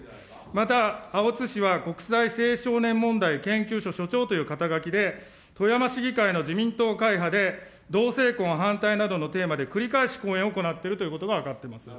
また、青津氏は国際青少年問題研究所所長という肩書で、富山市議会の自民党会派で、同性婚反対などのテーマで繰り返し講演を行っているということが分かっています。